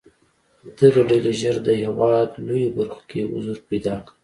دغې ډلې ژر د هېواد لویو برخو کې حضور پیدا کړ.